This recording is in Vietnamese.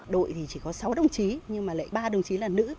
đội thì chỉ có sáu đồng chí nhưng lệ ba đồng chí là nữ